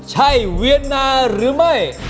ใช่เวียนนาหรือไม่